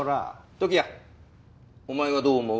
時矢お前はどう思う？